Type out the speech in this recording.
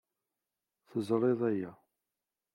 Teẓriḍ aya.